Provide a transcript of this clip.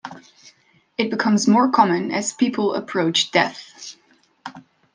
It becomes more common as people approach death.